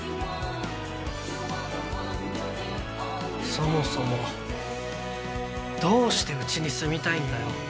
そもそもどうしてうちに住みたいんだよ。